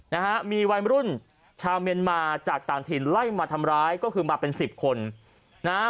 นะฮะมีวัยรุ่นชาวเมียนมาจากต่างถิ่นไล่มาทำร้ายก็คือมาเป็นสิบคนนะฮะ